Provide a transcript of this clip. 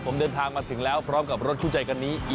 ผมเดินทางมาถึงแล้วพร้อมกับรถคู่ใจคันนี้